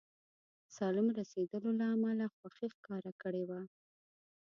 سالم رسېدلو له امله خوښي ښکاره کړې وه.